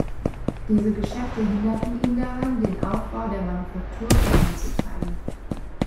Diese Geschäfte hinderten ihn daran, den Aufbau der Manufaktur voranzutreiben.